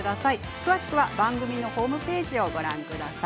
詳しくは番組のホームページをご覧ください。